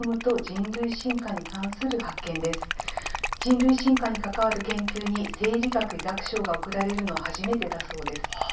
人類進化に関わる研究に生理学・医学賞が贈られるのは初めてだそうです。